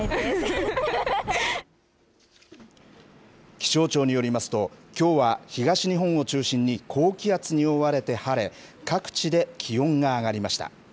気象庁によりますと、きょうは東日本を中心に高気圧に覆われて晴れ、各地で気温が上がりました。